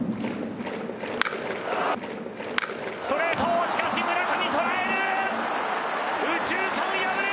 ストレートしかし村上捉える。